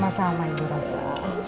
sama sama ibu rosa